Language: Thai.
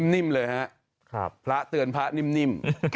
นิ่มเลยฮะพระเตือนพระนิ่ม